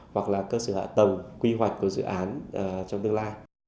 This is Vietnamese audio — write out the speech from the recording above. hoặc là cơ sở hạ tầng quy hoạch của dự án trong tương lai